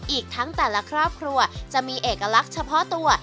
อีกทั้งแต่ละครอบครัวจะมีเอกลักษณ์เฉพาะตัว